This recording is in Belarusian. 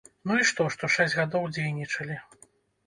Ну і што, што шэсць гадоў дзейнічалі?